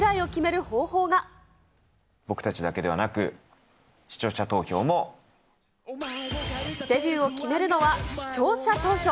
僕たちだけではなく、視聴者デビューを決めるのは、視聴者投票。